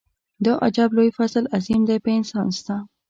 دا عجب لوی فضل عظيم دی په انسان ستا.